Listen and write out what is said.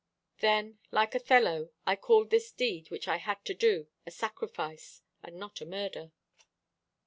"Then, like Othello, I called this deed which I had to do, a sacrifice, and not a murder.